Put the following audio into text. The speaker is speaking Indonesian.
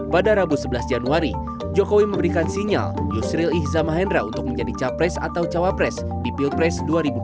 pada rabu sebelas januari jokowi memberikan sinyal yusril ihza mahendra untuk menjadi capres atau cawapres di pilpres dua ribu dua puluh